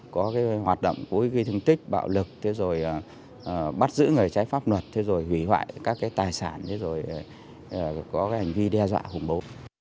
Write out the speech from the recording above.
có hoạt động ghi thương tích bạo lực bắt giữ người trái pháp luật hủy hoại các tài sản có hành vi đe dọa khủng bố